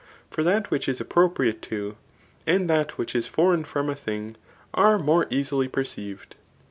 For that which is appropriate to, and that which is foreign from a thing, are more easily perceived.